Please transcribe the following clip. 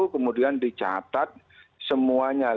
kemudian dicatat semuanya